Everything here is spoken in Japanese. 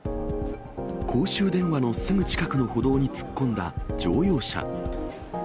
公衆電話のすぐ近くの歩道に突っ込んだ乗用車。